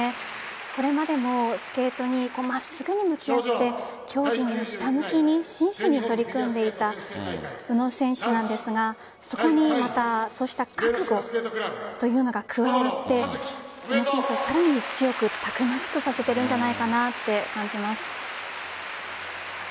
これまでもスケートに真っすぐに向き合って競技にひたむきに真摯に取り組んでいた宇野選手なんですが、そこにまたそうした覚悟というのが加わって宇野選手さらに強くたくましくさせているんじゃないかと感じます。